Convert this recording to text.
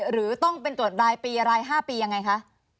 หรือต้องเป็นตรวจรายปีราย๕ปียังไงคะ